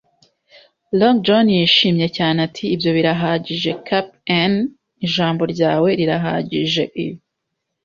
Long John yishimye cyane ati: "Ibyo birahagije, cap'n." “Ijambo ryawe rirahagije. I.